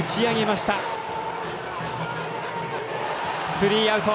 スリーアウト。